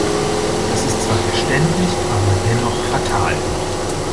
Das ist zwar verständlich, aber dennoch fatal.